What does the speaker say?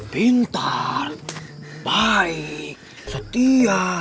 pintar baik setia